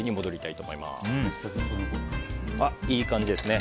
いい感じですね。